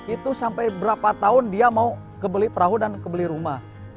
itu sampai berapa tahun dia mau kebeli perahu dan kebeli rumah